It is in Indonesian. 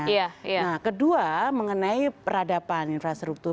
nah kedua mengenai peradaban infrastruktur